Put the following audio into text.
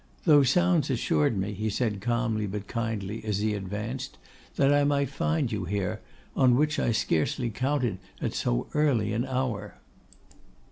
'Those sounds assured me,' he said calmly but kindly, as he advanced, 'that I might find you here, on which I scarcely counted at so early an hour.